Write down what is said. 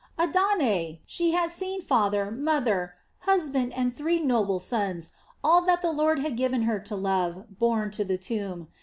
Adonai! She had seen father, mother, husband, and three noble sons, all that the Lord had given her to love, borne to the tomb.